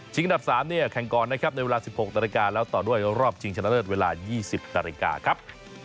อันดับ๓เนี่ยแข่งก่อนนะครับในเวลา๑๖นาฬิกาแล้วต่อด้วยรอบชิงชนะเลิศเวลา๒๐นาฬิกาครับ